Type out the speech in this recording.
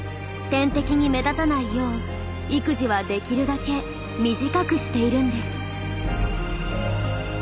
天敵に目立たないよう育児はできるだけ短くしているんです。